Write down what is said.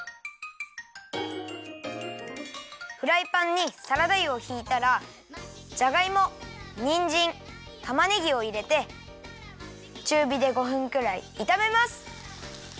フライパンにサラダ油をひいたらじゃがいもにんじんたまねぎをいれてちゅうびで５分くらいいためます。